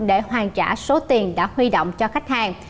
để hoàn trả số tiền đã huy động cho khách hàng